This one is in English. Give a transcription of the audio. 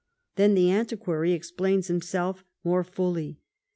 Then the Antiquary explains himself more fully.